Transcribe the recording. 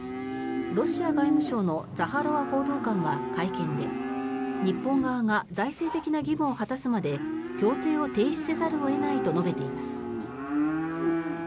ロシア外務省のザハロワ報道官は会見で日本側が財政的な義務を果たすまで協定を停止せざるを得ないと述べています。